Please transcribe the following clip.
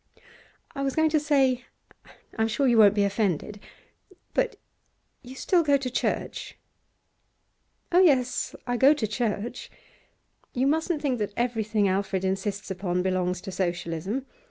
'I was going to say I'm sure you won't be offended. But you still go to church?' 'Oh yes, I go to church. You mustn't think that everything Alfred insists upon belongs to Socialism.